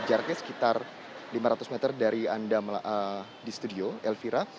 jaraknya sekitar lima ratus meter dari anda di studio elvira